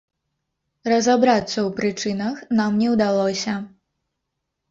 Разабрацца ў прычынах нам не ўдалося.